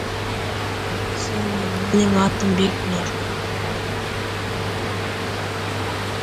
В области веб-программирования, в частности, серверной части